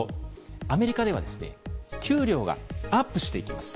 アメリカでは給料がアップしていきます。